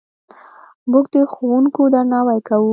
موږ د ښوونکو درناوی کوو.